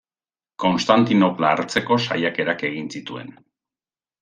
Konstantinopla hartzeko saiakerak egin zituen.